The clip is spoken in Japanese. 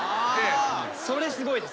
それすごいです。